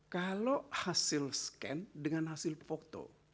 kalau hasil scan dengan hasil foto